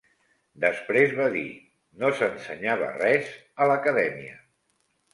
Després va dir, "No s'ensenyava res" a l'Acadèmia.